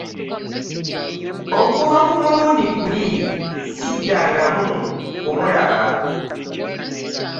Okuva ku mulundi guli ssiddangamu kumulaba!